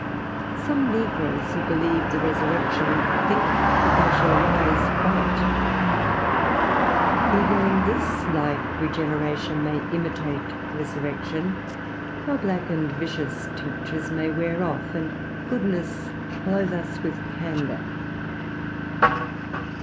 Some negroes, who believe the resurrection, think that they shall rise white. Even in this life regeneration may imitate resurrection; our black and vicious tinctures may wear off, and goodness clothe us with candor.